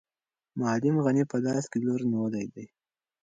معلم غني په لاس کې لور نیولی دی.